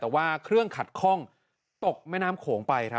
แต่ว่าเครื่องขัดข้องตกแม่น้ำโขงไป